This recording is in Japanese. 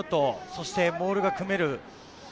そしてモールが組める。